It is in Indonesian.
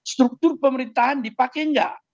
struktur pemerintahan dipakai nggak